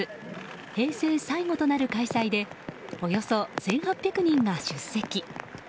平成最後となる開催でおよそ１８００人が出席。